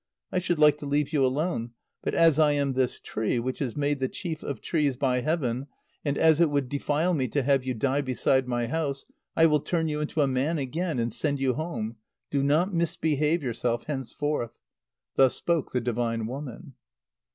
I should like to leave you alone. But as I am this tree, which is made the chief of trees by heaven, and as it would defile me to have you die beside my house, I will turn you into a man again and send you home. Do not misbehave yourself henceforth!" Thus spoke the divine woman.